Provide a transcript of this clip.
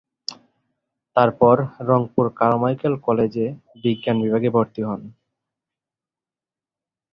তারপর রংপুর কারমাইকেল কলেজ-এ বিজ্ঞান বিভাগে ভর্তি হন।